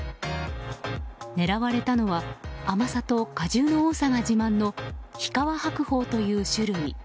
狙われたのは甘さと果汁の多さが自慢の日川白鳳という種類。